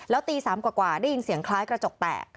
แล้วตี๓กว่าได้ยินเสียงคล้ายกระจกแตก